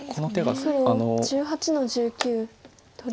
黒１８の十九取り。